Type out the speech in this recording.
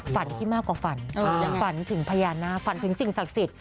ฝันที่มากกว่าฝันฝันถึงพญานาคฝันถึงสิ่งศักดิ์สิทธิ